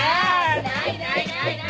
ないないないない。